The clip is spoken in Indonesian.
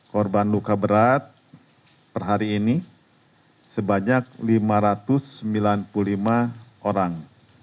korban luka berat per hari ini sebanyak lima ratus sembilan puluh lima orang